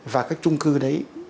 và các trung cư đấy